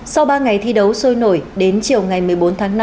sau ba ngày thi đấu sôi nổi đến chiều ngày một mươi bốn tháng năm